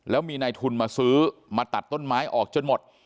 แล้วมีนายทุนมาซื้อมาตัดต้นไม้ออกจนหมด